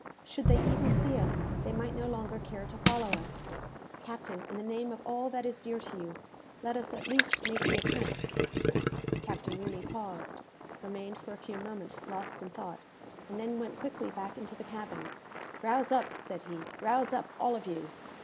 Should they even see us, they might no longer care to follow us. Captain, in the name of all that is dear to you, let us at least make the attempt!" Captain Rooney paused, remained for a few moments lost in thought, and then went quickly back into the cabin. "Rouse up!" said he, "rouse up, all of you!